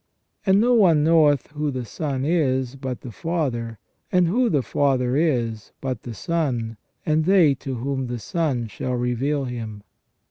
And no one knoweth who the Son is but the Father, and who the Father is but the Son, and they to whom the Son shall reveal Him."